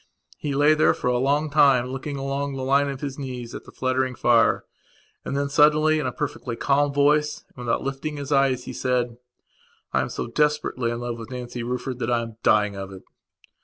He lay there for a long time, looking along the line of his knees at the fluttering fire, and then suddenly, in a perfectly calm voice, and without lifting his eyes, he said: "I am so desperately in love with Nancy Rufford that I am dying of it."